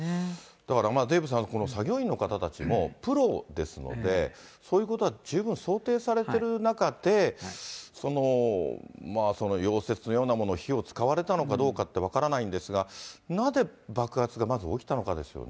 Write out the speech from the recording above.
だからまあ、デーブさん、この作業員の方たちも、プロですので、そういうことは十分想定されてる中で、溶接のようなもので火を使われたのかどうかって分からないんですが、なぜ爆発がまず起きたのかですよね。